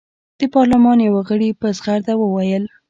د پارلمان یوه غړي په زغرده وویل.